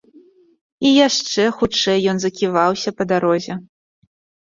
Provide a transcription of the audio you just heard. І яшчэ хутчэй ён заківаўся па дарозе.